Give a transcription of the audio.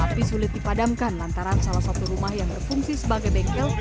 api sulit dipadamkan lantaran salah satu rumah yang berfungsi sebagai bengkel